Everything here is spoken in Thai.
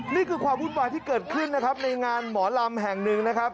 นี่คือความวุ่นวายที่เกิดขึ้นนะครับในงานหมอลำแห่งหนึ่งนะครับ